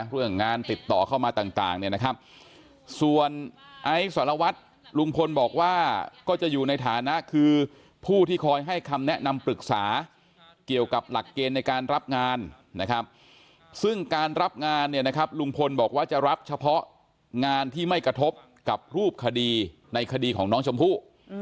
เรื่องงานติดต่อเข้ามาต่างเนี่ยนะครับส่วนไอซ์สารวัตรลุงพลบอกว่าก็จะอยู่ในฐานะคือผู้ที่คอยให้คำแนะนำปรึกษาเกี่ยวกับหลักเกณฑ์ในการรับงานนะครับซึ่งการรับงานเนี่ยนะครับลุงพลบอกว่าจะรับเฉพาะงานที่ไม่กระทบกับรูปคดีในคดีของน้องชมพู่